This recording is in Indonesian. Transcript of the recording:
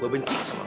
gua bencik sama lo